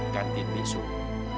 ganti di suhu